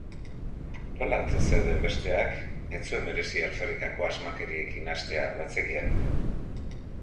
Nola ote zeuden besteak? Ez zuen merezi alferrikako asmakeriekin hastea, bazekien.